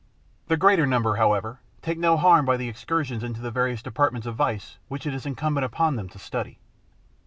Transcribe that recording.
The greater number, however, take no harm by the excursions into the various departments of vice which it is incumbent upon them to study.